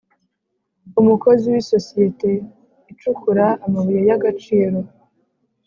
Umukozi w isosiyete icukura amabuye y’agaciro